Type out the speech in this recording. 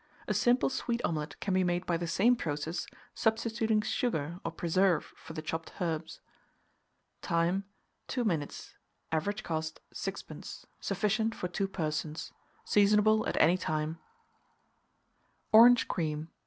A simple sweet omelet can be made by the same process, substituting sugar or preserve for the chopped herbs. Time. 2 minutes. Average cost, 6d. Sufficient for 2 persons. Seasonable at any time. ORANGE CREAM.